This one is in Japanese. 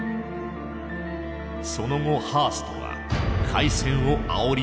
その後ハーストは開戦をあおり続けた。